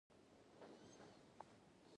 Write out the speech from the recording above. ترسره کړې به وي داسې کسانو چې دینداره وګړي وو.